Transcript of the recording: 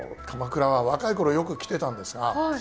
鎌倉は若いころよく来てたんですが。